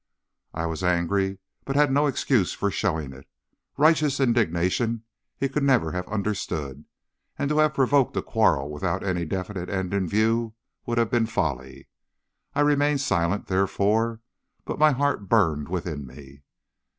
"I was angry, but had no excuse for showing it. Righteous indignation he could never have understood, and to have provoked a quarrel without any definite end in view would have been folly. I remained silent, therefore, but my heart burned within me.